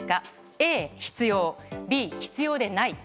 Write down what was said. Ａ、必要Ｂ、必要でない。